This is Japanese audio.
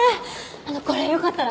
あのこれよかったら。